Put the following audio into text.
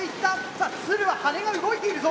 さあ鶴は羽が動いているぞ。